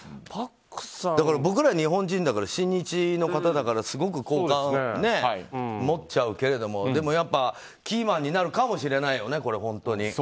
僕ら、日本人だから親日の方だからすごく好感持っちゃうけれどもでも、キーマンになるかもしれないよね、本当に。